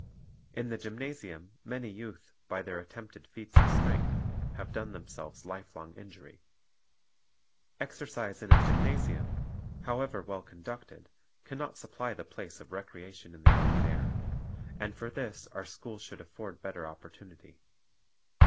In the gymnasium many youth, by their attempted feats of strength, have done themselves lifelong injury. Exercise in a gymnasium, however well conducted, can not supply the place of recreation in the open air, and for this our schools should afford better opportu nity.